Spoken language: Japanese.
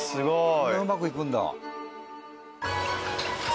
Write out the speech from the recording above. そんなうまくいくんだ。